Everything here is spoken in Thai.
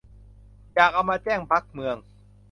อยากเอามาแจ้งบั๊กเมือง